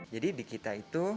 jadi di kita itu